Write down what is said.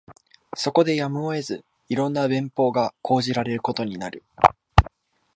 そこでやむを得ず、色んな便法が講じられることになる